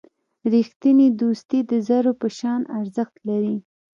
رښتینی دوستي د زرو په شان ارزښت لري.